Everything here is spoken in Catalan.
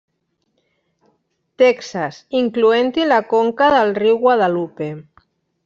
Texas, incloent-hi la conca del riu Guadalupe.